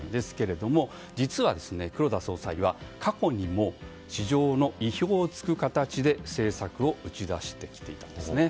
実は黒田総裁は過去にも市場の意表を突く形で政策を打ち出してきていたんです。